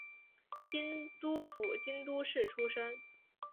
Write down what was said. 京都府京都市出身。